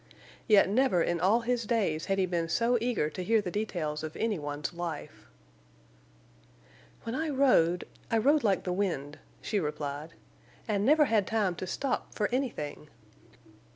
Yet never in all his days had he been so eager to hear the details of anyone's life. "When I rode—I rode like the wind," she replied, "and never had time to stop for anything."